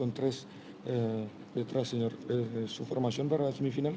apa salah satu opsi untuk semifinal